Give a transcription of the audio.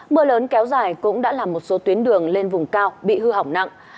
mưa lớn kéo dài cũng đã làm một số tuyến đường lên vùng cao bị hư hỏng nặng